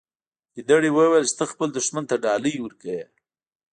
ګیدړې وویل چې ته خپل دښمن ته ډالۍ ورکوي.